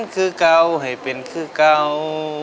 คือเก่าให้เป็นคือเก่า